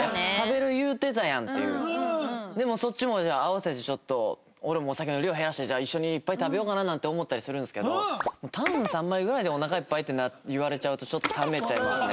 でもそっちもじゃあ合わせてちょっと俺もお酒の量減らして一緒にいっぱい食べようかななんて思ったりするんですけどタン３枚ぐらいでおなかいっぱいって言われちゃうとちょっと冷めちゃいますね。